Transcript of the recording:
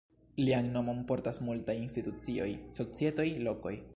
Lian nomon portas multaj institucioj, societoj, lokoj.